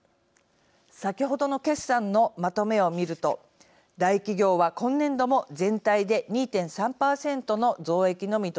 先ほどの決算のまとめを見ると大企業は今年度も全体で２．３％の増益の見通しです。